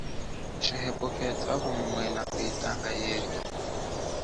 Tshihepuke twakumumwena kuyitanga yenyi.